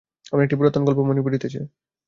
আমার একটি পুরাতন গল্প মনে পড়িতেছে।